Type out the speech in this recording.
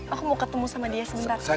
aku mau ketemu sama dia sebentar